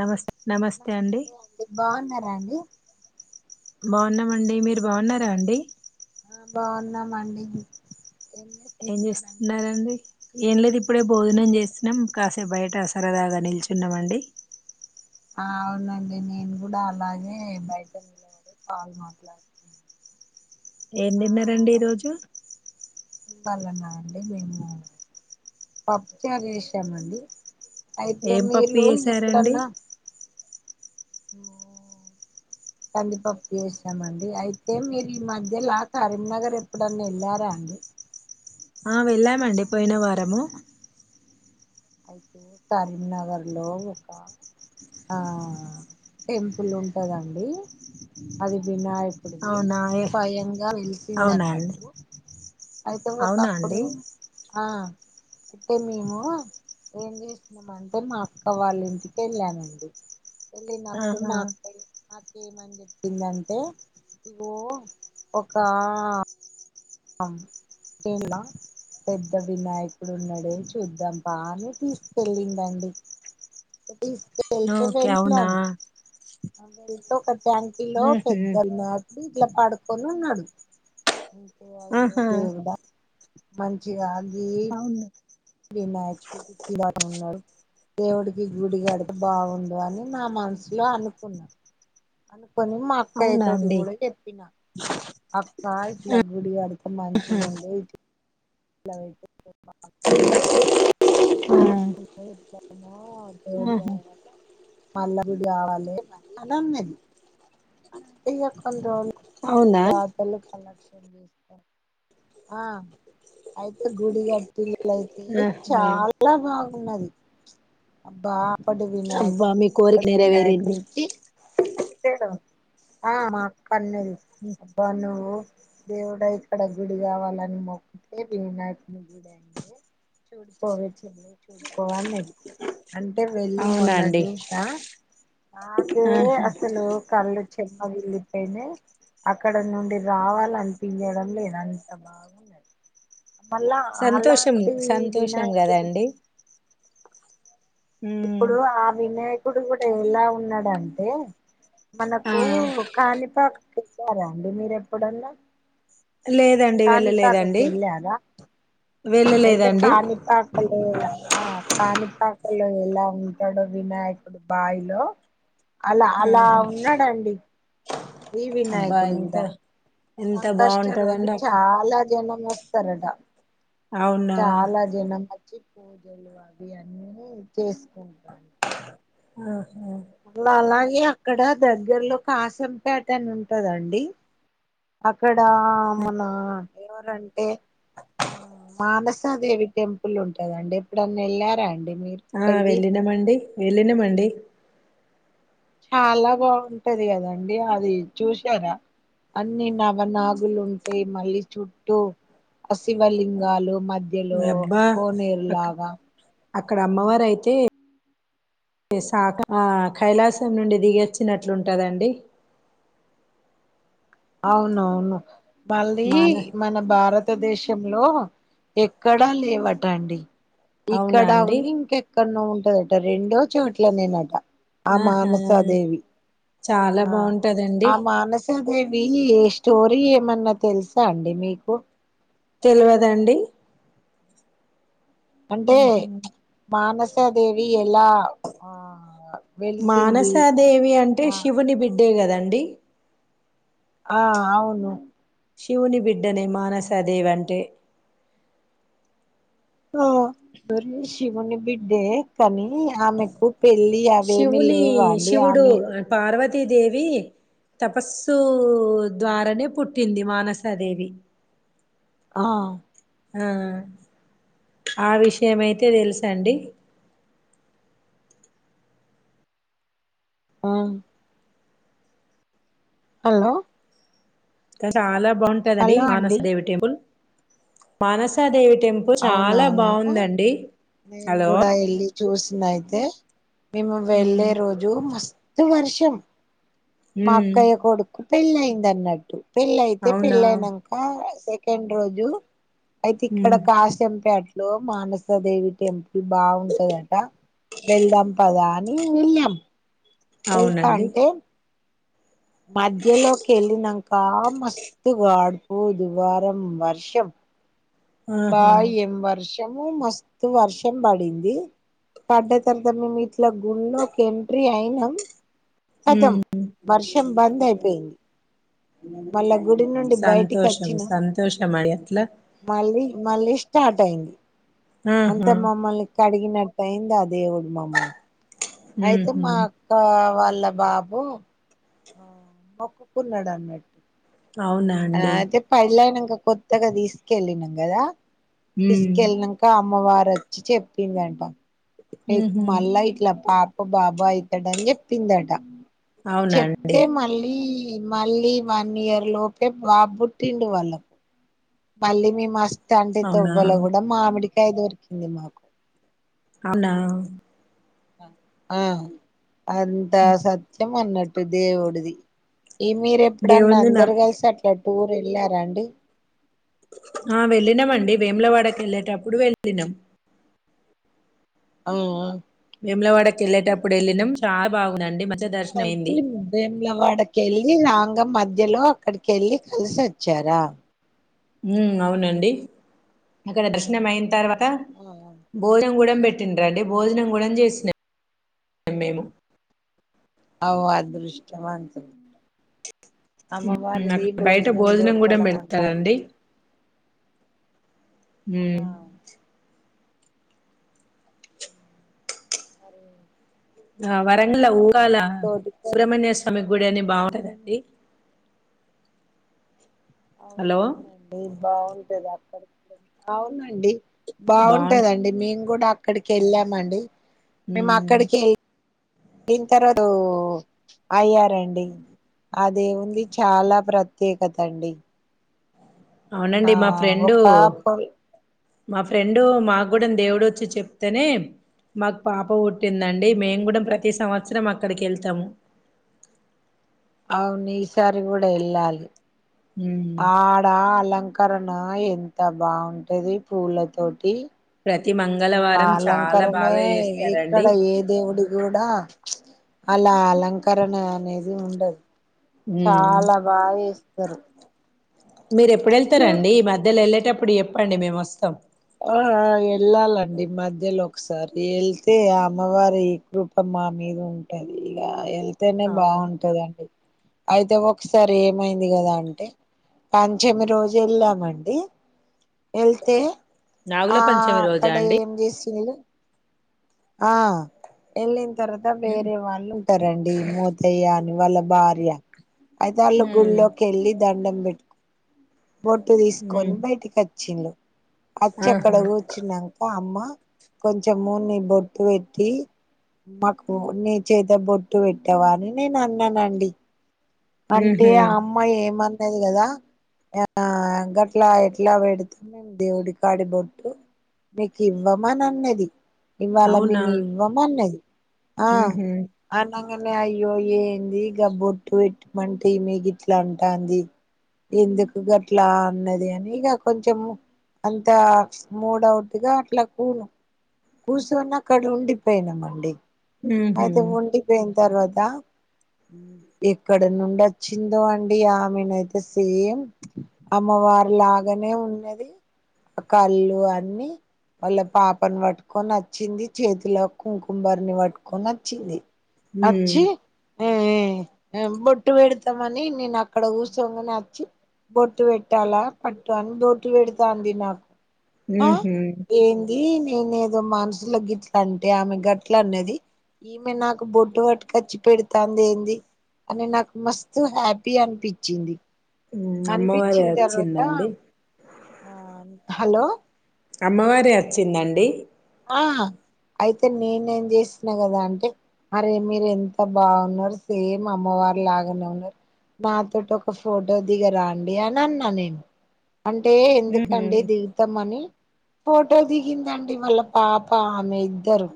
నమస్తే నమస్తే అండి బాగున్నారా అండి బాగున్నామండి మీరు బాగున్నారా అండి ఆ బాగున్నామండి ఏం చేస్తున్నారండి ఏం లేదు ఇప్ ఇప్పుడే భోజనం చేసినం కాస్ అ బయట సరదాగా నిల్చున్నామండి ఆ అవునండి నేను కూడా అలాగే బయట నిలబడి కాల్ మాట్లాడుతున ఏం తిన్నారండి ఈరోజు ఇవలనా అండి మేము పప్పు చారు చేసామండి అయితే ఏం పప్పు మీరు చేసారండి ఎప్పుడన్నా కందిపప్పు చేసామండి అయితే మీరు ఈ మధ్యలా కరీంనగర్ ఎప్పుడన్నా ఎళ్ళార అండి ఆ వెళ్ళామండి పోయిన వారము అయితే కరీంనగర్ లో ఒక ఆ టెంపుల్ ఉంటదండి అది వినాయ అవునా ఏ స్వయంగా వెలిసింది అవునా అండి అన్నట్టు అయితే అవునా ఒకప్పుడు అండి ఆ అయితే మేము ఏం చేసినము అంటే మా అక్క వాళ్ళ ఇంటికి వెళ్ళానండి వెళ్లినప్పుడు ఆహా మా అక్క ఏమని చెప్పిందంటే ఇగో ఒక పెద్ద వినాయకుడు ఉన్నాడే చూద్దాం పా అని తీసుకెళ్ళిందండి తీసుకెల్తే ఓకే అవునా వెళ్ళాను వాళ్లు ఎంతో కొం ట్యాంకి లో ఉహు, పెద్ద వినా ఇంట్ల పడుకోని ఉన్నడు ఏ అయ్యో ఆహా దేవుడ మంచిగాదు అవును వినాయకుడు ఉతిలా ఉన్నాడు దేవుడికి గుడి గడితే బాగుండు అని నా మనసులో అనుకున్నా అను అని మా అక్కయ్య అవునా తోటి అండి కూడా చెప్పిన అక్కా ఇట్లా గుడి కడు మంచిగా ఉండు ఇట్ ఇట్లా వెడితే ఆ, ఎట్లానో దేవుడి ఆహా దయ వల్ల మల్ల గుడి కావాలనే అని అన్నది అంటే ఇగ కొన్ని రోజులు అందరు అవునా దాతలు ఆ అయితే గుడి కట్టిల్ అట్లయితే ఆహా చాలా బాగుం ఉన్నది అబ్బా అప్పడి అబ్బా వినాయకుని మీ కి కోరిక ఇప్పటి నెరవేరింది వినాయకుని కి ఆ మా పన్నెది అబ్బానువ్వు దేవుడా ఇక్కడ గుడి కావాలని మొక్కితే వినాయకుని గుడి అయింది, చూడుపోవే చెల్లి చూడుపోవే అన్నది. అంటే వెళ్ళి అవునా మొన్న అండి జూషా నాకే ఆహా అసలు కళ్ళు చెమ్మగిల్లిపోయినయి అక్కడ నుండి రావాలన్పించడం లేదు అంత బాగున్నయ్ మళ్ళా సంతోషం అలాంటి సంతోషం వినాయకుని కదండి ఉమ్ ఇప్పుడు ఆ వినే ప్పుడు కూడా ఎలా ఉన్నాడంటే ఆ మనకు కాణిపాకం వెళ్ళారా అండి మీరెప్పుడన్నా లేదండి కాణిపాక వెళ్ళలేదండి కెళ్ళారా అయితే వెళ్ళలేదండి కాణిపాకలో ఆ కాణిపాక కులో ఎలా ఉంటోడో వినాయకుడు బాయిలో అలా అలా ఆహా ఉన్నాడండి ఈ అబ్బా వినాయకుడు ఎంత గూడా ఎంత సంకష్ట రోజు బాగుంటదండి అప్ చాలా జనమొస్తరట అవునా చాలా జనం అచ్చి పూజలు అవి అన్నీ చేసుకుం [inaudible] ఆ [inaudible] అలా కి అక్కడ దగ్గర్లో కాసంపేట అని ఉంటదండి అక్ క్కడ మనా ఎవరండి [inaudible] మానసదేవి టెంపుల్ ఉంటదండి ఎప్పుడున్న వెళ్ళారాండి ఆ వెళ్ళినమండి వెళ్ళిన మండి చాలా బాగుంటది కదండి అది చూసారా, అన్ని నవనాగులు ఉంటాయి మళ్ళీ చుట్టూ శివ లింగాలు మ మధ్యలో అబ్బా అక్ కోనేలాగ అక్కడ అమ్మవారు అయితే [unintelligible] సా కైలాసం నుండి దిగచ్చినట్లుంటుందండి అవును అవును మళ్ళీ మాన మన భారత్ భాతదేశంలో ఎక్కడా లేవటండి అవునా ఇక్కడ అండి ఉంది ఇంకెక్కడో ఉ ట రెండే చోట్లనేనట ఆ ఆహా మానసాదేవి చాలా బాగుంటాదండి దేవి స్టోరీ ఏమన్నా తెలుసా అండి మీకు తెల్వదండీ అంటే ఊహు మానస్ దేవి ఏ ఎలా ఆ వెలిసింది ఆ తె కదండి ఆ అవును శివుని బిడ్డని మానసదేవంటే ఆ బరి శివుని బిడ్డ కానీ ఆమెకు పెళ్ళి అవేమి లేవా అండి ఆమె తీ దేవి తపస్సు ద్వారానే పుట్టింది మానసా దేవి ఆ ఆ ఆ విషయం అయితే తెలుసా అండి ఆ హలో క చాలా బాగుంటాదండి హలో అండి మానసేవి టేబుల్ మానసా దేవి అవునవును నేను హలో కూడా వెళ్ళి చూసినయితే అ మేము ఊ వెళ్ళే రోజు మ త వర్షం ఊ మక్కయ కొడుకు పెళ్లైంది అన్నట్టు పెళ్లైతే అవునా పెళ్ళి అయినాంక సె కెండ్రోజు అయితే ఊ ఇక్కడ అచ్చంపేట్లో మానసా దేవి టెంపుల్ బాగుంటదట వెళ్దాం పదా అని వెళ్ళాం. అవునండి వెళ్తాంటే మధ్యలోకి వెళ్ళినాంక మస్తుగా ఆడుపోదు వారం వర్షం. అబ్బా ఆహా ఎం వర్ష్ షము మస్తు వర్షం పడింది పడ్డ తర్వాత మేము ఇ ట్ల గుళ్లోకి ఎంట్రీ అయి నం కథం ఉమ్ వర్షం బంద్ అయిపోయింది. మళ్ళా గుడి నుండి బయటికి సంతోషం వచ్చినా, సంతోషం అండి అట్లా ఇ మళ్ళీ స్టార్ట్ అయింది అంత ఆహా మమ్మల్ని కడిగినటైంది ఆదేవుడు మమ్మల్న్ అయితే ఉహు మా అక్క వాళ్ ల బాబు ఆ మొక్కుకున్నాడు అన్నట్టు అవునా ఆ అండి అదే పడిలన ఇ కొత్తగా తీసుకెళ్ళిన కదా ఉమ్ తీసుకెళ్ళినక అమ్మవారు వచ్చి చెప్ చెపిందంట ఎకు ఉహు మల ఇట్లా పా బాబఇతడని చెప్పిందట అవునా అండి చెప్తే మళ్ళీ ఈ మళ్ళీ వన్ ఇయర్ లోపే బాబుట్టిండు వాళ్ళకు మల్లి మీ మస్త తండ్రి అవునా తోవ్వల కూడా మామిడి [unintelligible] దోరికింది మాకు అవునా ఆ అంత సత్యం అన్నట్ దేవుడిది ప్పప్ ఈ మీర ఎప్పుడన్న దేవుంది నా అందరు కలిసి అట్లాడ్ టూర్ వెళ్ళారాండి. ఆ వెళ్ళినంమండి వేములవాడకి ఎళ్ళేటప్పుడు వెళ్ళినం ఆవ్ ఆ మేములవాడకి వెళ్ళేటప్పుడు వెళ్ళినాం చాలా బాగుందండి మ అటు వేమ్లవాడకేల్లి రాంగ మధ్య మధ్యలో అక్కడికి వెళ్ళి కలిసి వచ్చారా ఉమ్ అవునండి. అక్కడ దర్శనం అయిన తర్వాత అ భోజనం కూడా పెట్టిరండి భోజనం కూడా చేసినం మేము అవు అదృష్టమంతులు హ్మ్ అమ్మవారిది అక్కడ బయట భోజనం గూడా దూరకడంటే అదృష్టం. ఉమ్ ఆ అరే ఆ వరంగల్ వుంగలా కూడా సుబ్రమణ్య స్వామి గుడి అన్నీ బాగుంటాదండి అవును అవునండి బాగుంటది అక్కడికి ఇక్కడికి అవునండి బావుం బాగుంటదండి మేము కూడా అక్కడికి వెళ్ళామండి. మేము హ్మ్ అక్కడికి వెళ్ళిన తర్వాత వో అయ్యారండి. అదే ఉంది చాలా ప్రత్యేకత అండి. ఆ అవునండి మా ఫ్రెండు ఒక పొల్ మా ఫ్రెండు మాకు కూడాూ దేవుడు వచ్చి చెప్తేనే మాకు పాప పుట్టిందండి మేంగడ ప్రతి సంవత్సరం అక్కడికి వెళ్తాము అవును ఈసారి కూడా వెళ్ళాలి హ్మ్ ఆడా అలంక్ కరణ ఎంత బాగుంటుంది పూల తోటి ప్రతి మంగళవారం చాలా అలంకరణే బాగా చేస్తారండి ఇక్కడ ఏ దేవుడి కూడా అలా అలంకరణ అనేది ఉండదు. హ్మ్ చాలా బాగా ఎషి సరే మీరు ఎప్పుడు వెళ్తారారంండి ఈ మధ్యలో వెళ్ళట ఎప్పుడు చెప్పండి మేము వస్తాం ఆ వెళ్ళాలండి మధ్యలో ఒకసారి వెళ్తే అమ్మవారి ఈ కృప మా మీద ఉంటది. ఇక వెళ్ తేనే అవును బాగుంటదండి అయితే ఒకసారి ఏమైంది కదా అంటే పంచమి రోజు వెళ్ళామండి. వెళ్తే నాగుల ఆ పంచమి అక్కడ రోజా అండి ఏం చేసి మీరు ఆ ఎలిన్ తర్వాత హ్మ్ వేరే వాళ్ళు ఉంటారండి మోతయ్యన్ ఇంగ వాళ్ళ భార్య అయితే వాళ్ళు గుళ్ళోకెళ్ళిద్ దండం పెట్టుకు బొట్టు తీసుకొని హ్మ్ బయటికి [unintelligible] చ్చిన్లో అచ్చి అక్కడ ఆహా కూర్చున్నాంక అమ్మ కొంచమూ నీ బొట్ ట్టు పెట్టి మాకు నీ చేత బొట్టు పెట్టావ అని నేను అన్నానండి. అంటే ఊహూ ఆ అమ్మాయి ఏమన్ తేలివి లేదా ఆ గట్లా ఎట్లా పెడుతాం మేము దేవుడి కాడి బొట్టు మీకు ఇవ్వమని అన్నది. ఇవ్వాల అవునా మేమి ఇవ్వము అన్నది. ఆ ఊహూ [unintelligible] ఇనే అయ్యోయయింది ఇ గబ్బొట్టు మంట మీకు ఇట్లా అంటుంది ఎందుకు అట్లా అన్నది అని ఇక కొంచెం అంత మూడౌట్గా అట్లా కూను కూచొని అక్కడ ఉండిపోయినాంమండి ఊహూ అయితే ఉడిపోయింది తర్వాదా ఇక్కడ నుండి వచ్చిందో అండి ఆమెనుయితే సేమ్ అమ్మవారి లాగానే ఉన్నది ఆ కళ్ళు అన్ని వాళ్ళ పాపని పట్టుకొని వచ్చింది చేతిలో కుంకుమారిని పట్టుకొని వచ్చింది హ్మ్ రాచ్చి బొట్టు పెడతామని నేను అక్కడ కుసొంగానే వచ్చి బొట్టు పెట్టాలా పట్టు అని బొట్టు పెడతా అంది నాకు ఆ ఊహూ ఏంది నేనేదో మనసుల గిట్ల అంటే ఆమె గట్ల అన్నది ఈమె నాకు బొట్టు పట్టుకుచ్చి పెడుతాంది ఏంది అ నాకు మస్తు హ్యాపీ అనిపించింది అమ్మవారే అనిపించిన తర్వాత వచ్చిందండి ఆ హలో అమ్మవారే వచ్చిందండి ఆ అయితే నేనే ఏం చేసిన కదా అంటే అరే మీరు ఎంత బాగున్నారు సేమ్ అమ్మవారు లాగానే ఉన్నారు నాతోటి ఒక ఫోటో దిగరండి అని అన్నా నేను అంటే ఊహూ ఎందుకండి దీవితంమని ఫోటో దిగిందండి మళ్ళ పాపా ఆ ఇద్దరు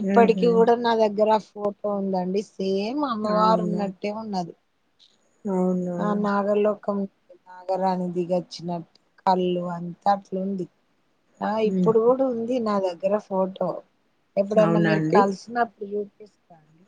ఇప్పటికి ఊహూ కూడా నా దగ్గర ఫోటో ఉందండి సేం అమ్మవారు అవునా ఉన్నట్టే ఉన్నది అవునా ఆ నాగర్ లోకం నాగరాణి దిగచ్చినట్టు కళ్ళు అంత అట్లుంది ఆ హ్మ్ ఇప్పుడు కూడా ఉంది నా దగ్గర ఫోటో ఎప్పుడన్నా అవునా మీరు అండి కలిసినప్పుడు ఇస్తా అండి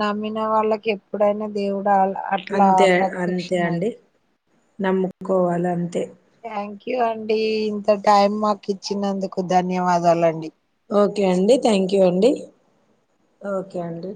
నమ్మిన వాళ్ళకి ఎప్పుడైనా దేవుడు అట్లా అంతే అంతే ప్రత్యక్షం అండి అయితే నమ్ముకోవాలే అంతే థ్యాంక్ యు అండి ఇంత టైం మాకు ఇచ్చినందుకు ధన్యవాదాలు అండి ఓకే అండి థ్యాంక్ యూ అండి ఓకే అండి